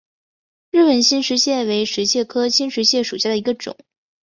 日本新石蟹为石蟹科新石蟹属下的一个种。